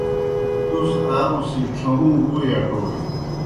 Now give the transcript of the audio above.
تُس آ اُڅِھجیْ ڇھہُوں ووئی اٹَوئے۔